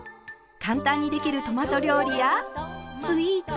簡単にできるトマト料理やスイーツ。